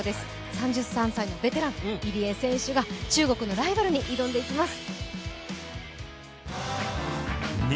３３歳のベテラン、入江選手が中国のライバルに挑んでいきます。